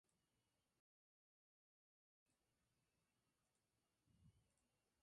Es pretendida por Don Moncho.